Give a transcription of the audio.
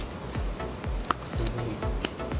すごい。